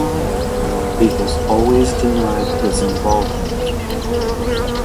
He has always denied his involvement.